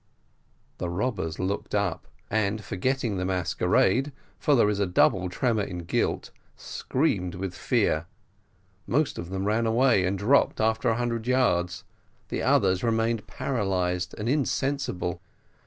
The robbers looked up, and forgetting the masquerade, for there is a double tremor in guilt, screamed with fear; most of them ran away, and dropped after a hundred yards; others remained paralysed and insensible.